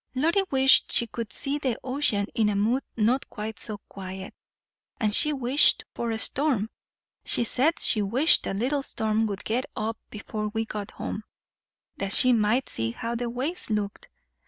"Lottie wished she could see the ocean in a mood not quite so quiet; she wished for a storm; she said she wished a little storm would get up before we got home, that she might see how the waves looked.